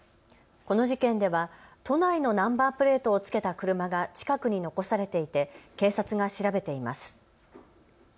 この事件では都内のナンバープレートを付けた車が近くに残されていて警察が調べています。